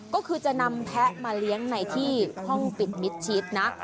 ก็คือจะนำแพะมาเลี้ยงในที่ห้องปิดมิดชิดนะ